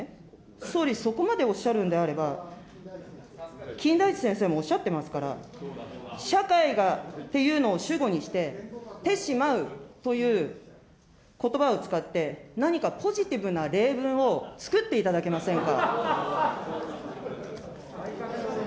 総理、そこまでおっしゃるんであれば、金田一先生もおっしゃってますから、社会がっていうのを主語にして、てしまうということばを使って、何かポジティブな例文を作っていただけませんか。